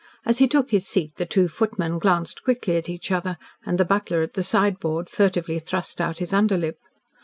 As he took his seat the two footmen glanced quickly at each other, and the butler at the sideboard furtively thrust out his underlip.